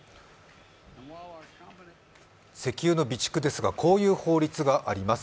石油の備蓄ですが、こういう法律があります。